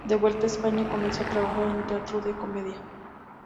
De vuelta a España, comenzó a trabajar en el Teatro de la Comedia.